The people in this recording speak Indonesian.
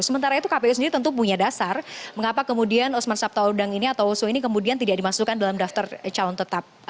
sementara itu kpu sendiri tentu punya dasar mengapa kemudian osman sabtaodang ini atau oso ini kemudian tidak dimasukkan dalam daftar calon tetap